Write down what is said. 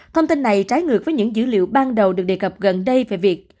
thông tin này trái ngược với những dữ liệu ban đầu được đề cập gần đây về việc